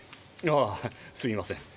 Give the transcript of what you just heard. ああすみません。